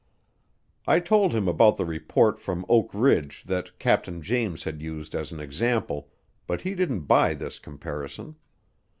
I told him about the report from Oak Ridge that Captain James had used as an example, but he didn't buy this comparison.